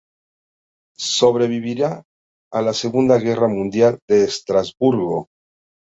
Sobreviviría a la Segunda Guerra Mundial en Estrasburgo.